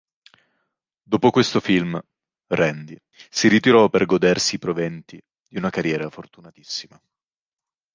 Dopo questo film, "Randy" si ritirò per godersi i proventi di una carriera fortunatissima.